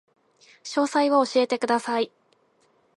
詳細を教えてください